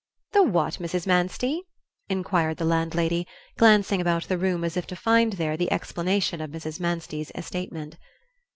"The what, Mrs. Manstey?" inquired the landlady, glancing about the room as if to find there the explanation of Mrs. Manstey's statement.